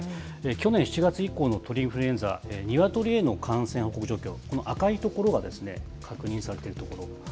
去年７月以降の鳥インフルエンザ、ニワトリへの感染状況、この赤い所がですね、確認されている所。